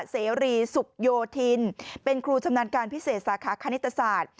เสรีสุขโยธินเป็นครูชำนาญการพิเศษสาขาคณิตศาสตร์